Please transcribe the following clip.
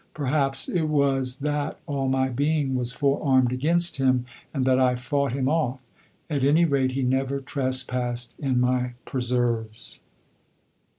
Perhaps it was that all my being was forearmed against him, and that I fought him off. At any rate he never trespassed in my preserves.